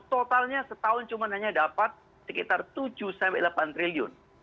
totalnya setahun hanya dapat sekitar tujuh delapan triliun